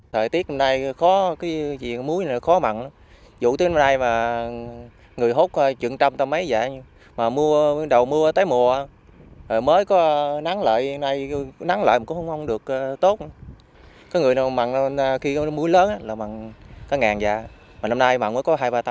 thời tiết hôm nay có gì muối nào